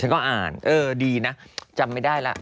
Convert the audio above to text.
ก็อ่านเออดีนะจำไม่ได้แล้ว